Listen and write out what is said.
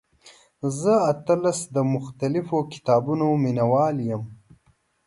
زه اتلس د مختلفو کتابونو مینوال یم.